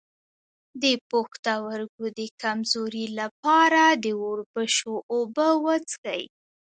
د پښتورګو د کمزوری لپاره د وربشو اوبه وڅښئ